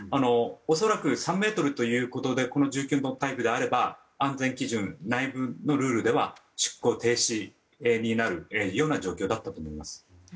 恐らく３ｍということで１９トンタイプであれば安全基準、内部ルールでは出港停止になるような状況だったと思います。